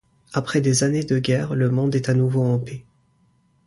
Après des années de guerre, le monde est à nouveau en paix.